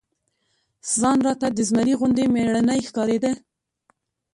ځان راته د زمري غوندي مېړنى ښکارېده.